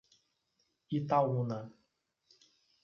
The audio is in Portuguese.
Itaúna